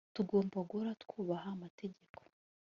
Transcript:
tugomba guhora twubaha amategeko